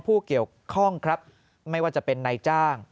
ผู้เกี่ยวข้องครับไม่ว่าจะเป็นนายจ้าง